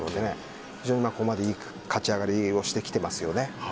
非常にここまでいい勝ち上がりをしてきてますよね。